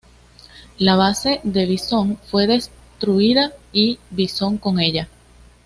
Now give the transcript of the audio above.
La base de Bison fue destruida, y Bison con ella.